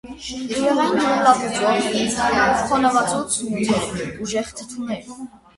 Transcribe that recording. Բյուրեղային ջրում լավ լուծվող, խոնավածուծ նյութեր են, ուժեղ թթուներ։